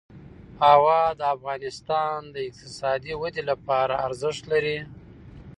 هوا د افغانستان د اقتصادي ودې لپاره ارزښت لري.